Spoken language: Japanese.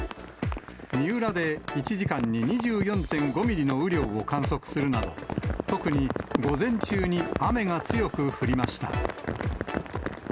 三浦で１時間に２４．５ミリの雨量を観測するなど、特に午前中に雨が強く降りました。